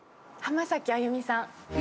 浜崎あゆみさん。